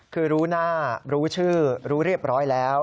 คือรู้หน้ารู้ชื่อรู้เรียบร้อยแล้ว